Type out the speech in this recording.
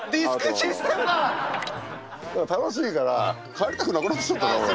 楽しいから帰りたくなくなってきちゃったな俺。